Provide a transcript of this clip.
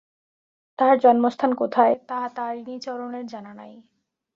তাঁহার জন্মস্থান কোথায়, তাহা তারিণীচরণের জানা নাই।